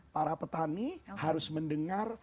para petani harus mendengar